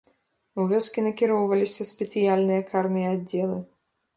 У вёскі накіроўваліся спецыяльныя карныя аддзелы.